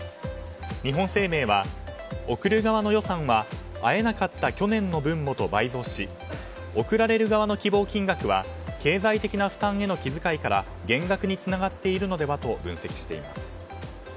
日本生命は、贈る側の予算は会えなかった去年の分もと倍増し贈られる側の希望金額は経済的な負担への気遣いから減額につながっているのではと分析しています。